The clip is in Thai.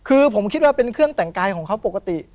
คือผมคิดว่าเป็นเครื่องแต่งกายของเขาปกติ